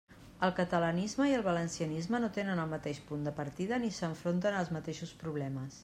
El catalanisme i el valencianisme no tenen el mateix punt de partida ni s'enfronten als mateixos problemes.